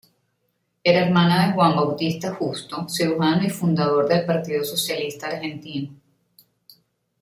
Era hermana de Juan Bautista Justo, cirujano y fundador del Partido Socialista argentino.